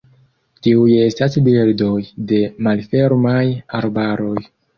Tiuj estas birdoj de malfermaj arbaroj.